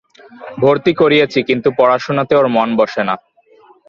ভর্তি করিয়েছি, কিন্তু পড়াশোনাতে ওর মন বসে না।